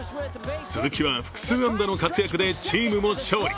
鈴木は複数安打の活躍でチームも勝利。